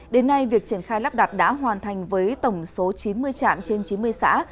đến nay việc triển khai lắp đặt đã hoàn thành với tổng số chín mươi trạm trên chín mươi xã